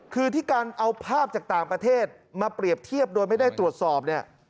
คือที่การเอาภาพจากต่างประเทศมาเปรียบเทียบโดยไม่ได้ตรวจสอบเนี่ย